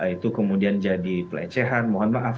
itu kemudian jadi pelecehan mohon maaf